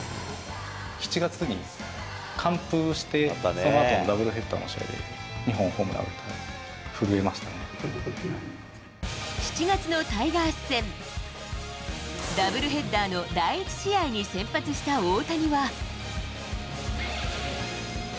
７月に完封して、そのあとのダブルヘッダーの試合で２本ホームラン打って、震えま７月のタイガース戦、ダブルヘッダーの第１試合に先発した大谷は。